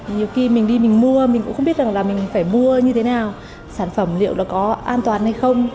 nhiều khi mình đi mình mua mình cũng không biết rằng là mình phải mua như thế nào sản phẩm liệu là có an toàn hay không